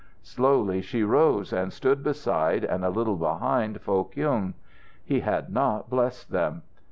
Slowly she rose, and stood beside and a little behind Foh Kyung. He had not blessed them.